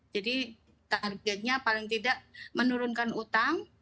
jadi targetnya paling tidak menurunkan utang